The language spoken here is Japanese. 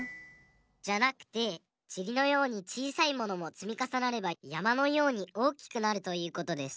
じゃなくてちりのようにちいさいものもつみかさなればやまのようにおおきくなるということです。